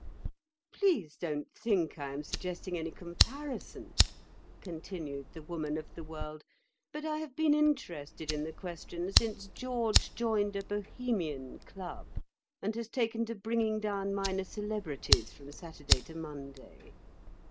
"Please don't think I am suggesting any comparison," continued the Woman of the World, "but I have been interested in the question since George joined a Bohemian club and has taken to bringing down minor celebrities from Saturday to Monday.